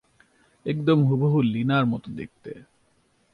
একদম হুবহু লীনার মতো দেখতে।